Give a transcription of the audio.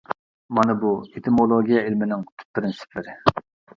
مانا بۇ ئېتىمولوگىيە ئىلمىنىڭ تۈپ پىرىنسىپلىرى.